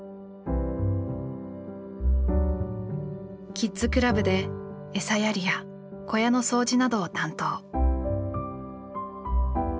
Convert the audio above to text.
キッズクラブでエサやりや小屋の掃除などを担当。